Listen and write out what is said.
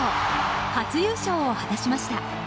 初優勝を果たしました。